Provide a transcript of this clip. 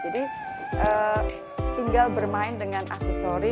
tinggal bermain dengan aksesori